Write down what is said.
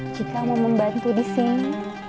jika mau membantu di sini